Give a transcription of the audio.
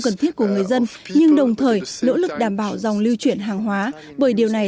cần thiết của người dân nhưng đồng thời nỗ lực đảm bảo dòng lưu chuyển hàng hóa bởi điều này